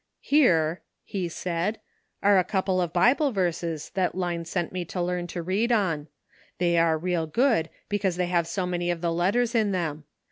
"Here," he said, "are a couple of Bible verses that Line sent me to learn to read on. They are real good, because they have so many of the letters in them.